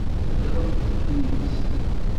Heḍṛemt kan yid-sent.